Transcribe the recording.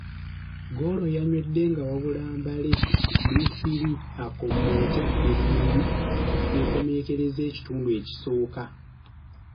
Ggoolo yanywedde nga wabula mbale ddiifiri akommonte ffirimbi ekomekkereza ekitundu ekisooka.